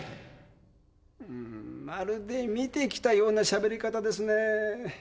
んーまるで見てきたようなしゃべり方ですねぇ。